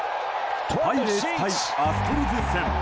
パイレーツ対アストロズ戦。